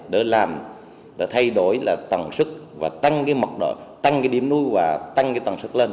đã làm đã thay đổi tần suất và tăng cái mật đội tăng cái điểm nuôi và tăng cái tần suất lên